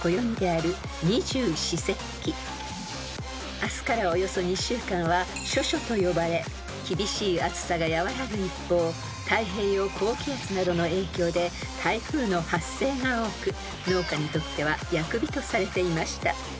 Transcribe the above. ［明日からおよそ２週間は処暑と呼ばれ厳しい暑さが和らぐ一方太平洋高気圧などの影響で台風の発生が多く農家にとっては厄日とされていました］